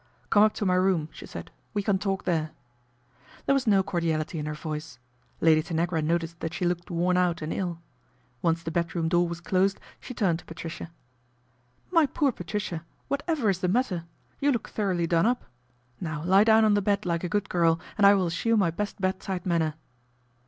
" Come up to my room," she said, " we can talk there." There was no cordiality in her voice. Lady Tanagra noticed that she looked worn out and til. Once the bedroom door was closed she turned to Patricia. " My poor Patricia ! whatever is the matter ? You look thoroughly done up. Now lie down on the bed like a good girl, and I will assume my best bedside manner."